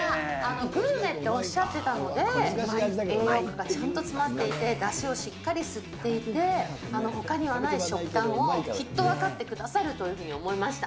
グルメっておっしゃってたので、栄養価がちゃんと詰まっていて、だしをしっかり吸っていて、ほかにはない食感を、きっと分かってくださるというふうに思いました。